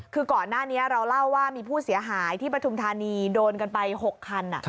คือก่อนหน้านี้เราเล่าว่ามีผู้เสียหายที่ปฐุมธานีโดนกันไป๖คัน